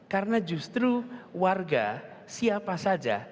karena justru warga siapa saja